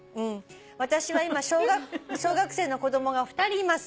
私は今小学生の子供が２人います。